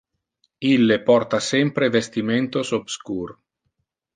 Ille porta sempre vestimentos obscur.